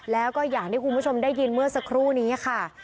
แล้วก็อย่างที่คุณผู้ชมได้ยินเมื่อสักครู่นี้ค่ะ